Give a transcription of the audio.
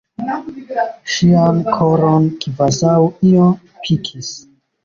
Ŝian koron kvazaŭ io pikis.